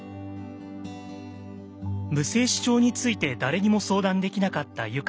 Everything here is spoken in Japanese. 無精子症について誰にも相談できなかったユカイさん。